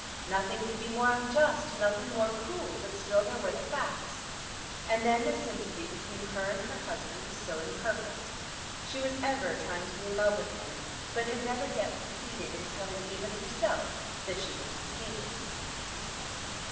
Nothing could be more unjust, nothing more cruel; but still there were the facts. And then the sympathy between her and her husband was so imperfect. She was ever trying to be in love with him, but had never yet succeeded in telling even herself that she had succeeded.